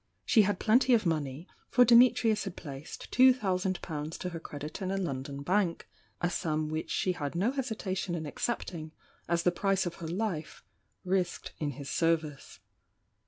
She had plenty of money, for Dimitrius had placed two thousand pounds to her credit in a London bank, — a sum whidi she had no hesitation in accepting, as the price of her life, risked in his service.